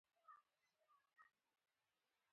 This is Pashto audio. ښتې د افغانستان د ځمکې د جوړښت نښه ده.